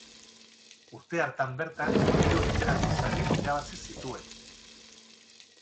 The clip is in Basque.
Urte hartan bertan hiru literatur sari irabazi zituen.